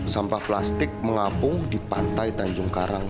sampah plastik mengapung di pantai tanjung karang